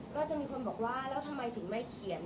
ก็จะมีคนบอกว่าแล้วทำไมถึงไม่เขียน